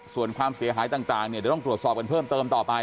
ส่วนความเสียหายต่างเนี่ยเดี๋ยวต้องตรวจสอบกันเพิ่มเติมต่อไป